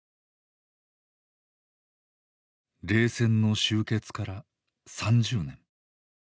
冷戦の終結から３０年。